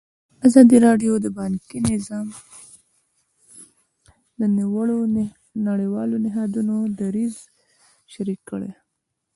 ازادي راډیو د بانکي نظام د نړیوالو نهادونو دریځ شریک کړی.